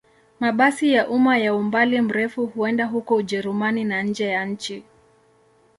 Mabasi ya umma ya umbali mrefu huenda huko Ujerumani na nje ya nchi.